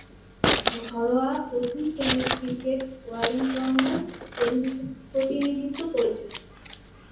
ঘরোয়া প্রথম-শ্রেণীর ক্রিকেটে ওয়েলিংটনের প্রতিনিধিত্ব করেছেন।